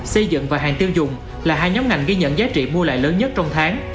xây dựng và hàng tiêu dùng là hai nhóm ngành ghi nhận giá trị mua lại lớn nhất trong tháng